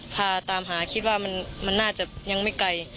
พาตามหาคิดว่ามันน่าจะยังไม่ไกล